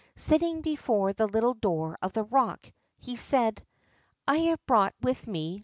Sitting before the little door of the rock, he said: I have brought with me.